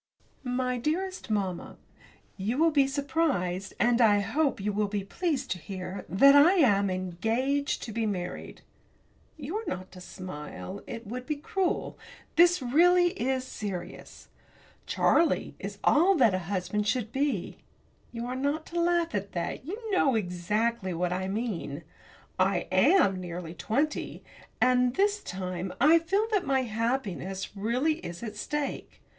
MY DEAREST MAMMA, You will be surprised, and I hope you will be pleased to hear that I am engaged to be married! You are not to smile it would be cruel this, really, is serious. Charlie is all that a husband should be you are not to laugh at that you know exactly what I mean. I am nearly twenty, and, this time, I feel that my happiness really is at stake.